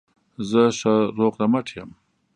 زه ښه روغ رمټ یم.